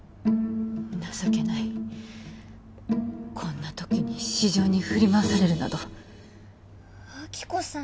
情けないこんなときに私情に振り回されるなど亜希子さん